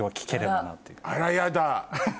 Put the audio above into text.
あらやだ。